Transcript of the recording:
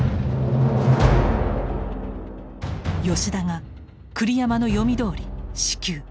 吉田が栗山の読みどおり四球。